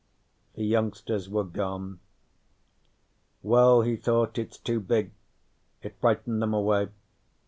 The youngsters were gone. Well, he thought, it's too big. It frightened them away.